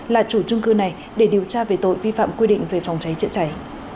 là chủ trung cư này để điều tra về tội vi phạm quy định về phòng cháy chữa cháy